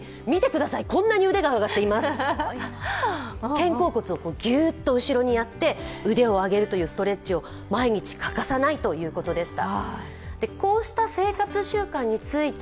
肩甲骨をギューッと後ろにやって、腕を上げるというストレッチを毎日欠かさないということでした。